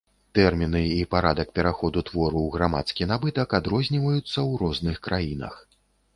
Тэрміны і парадак пераходу твору ў грамадскі набытак адрозніваюцца ў розных краінах.